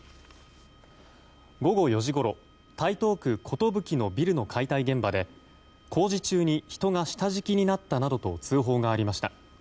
午後４時ごろ台東区寿のビルの解体現場で工事中に人が下敷きになったなどと通報がありました。